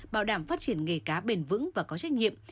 bảo đảm phát triển nghề cá bền vững và có trách nhiệm